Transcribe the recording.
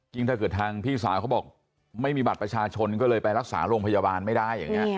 ถ้าเกิดทางพี่สาวเขาบอกไม่มีบัตรประชาชนก็เลยไปรักษาโรงพยาบาลไม่ได้อย่างนี้